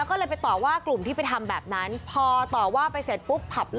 กุลมที่ไปทำแบบนั้นพอต่อว่าไปเสร็จปุ๊บ